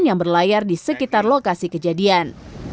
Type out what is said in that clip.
yang berlayar di sekitar lokasi kejadian